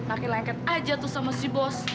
laki laki aja tuh sama si bos